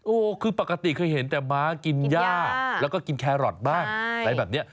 โอ้โหคือปกติเคยเห็นแต่ม้ากินย่าแล้วก็กินแครอทบ้างอะไรแบบนี้